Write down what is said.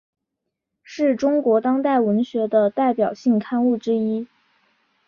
是中国当代文学的代表性刊物之一。